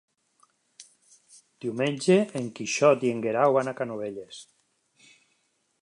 Diumenge en Quixot i en Guerau van a Canovelles.